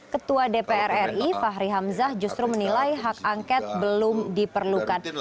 ketua dpr ri fahri hamzah justru menilai hak angket belum diperlukan